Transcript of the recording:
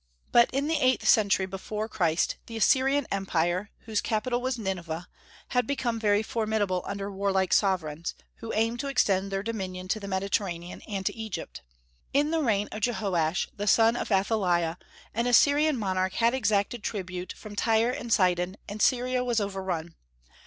But in the eighth century before Christ the Assyrian empire, whose capital was Nineveh, had become very formidable under warlike sovereigns, who aimed to extend their dominion to the Mediterranean and to Egypt. In the reign of Jehoash, the son of Athaliah, an Assyrian monarch had exacted tribute from Tyre and Sidon, and Syria was overrun.